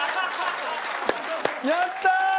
やったー！